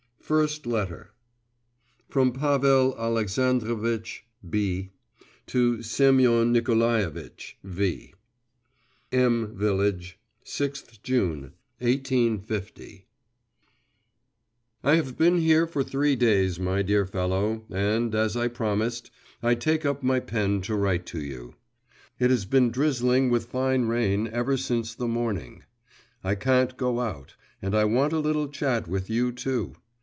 FIRST LETTER FROM PAVEL ALEXANDROVITCH B.… TO SEMYON NIKOLAEVITCH V.… M VILLAGE, 6th June 1850. I have been here for three days, my dear fellow, and, as I promised, I take up my pen to write to you. It has been drizzling with fine rain ever since the morning; I can't go out; and I want a little chat with you, too.